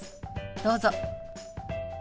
どうぞ。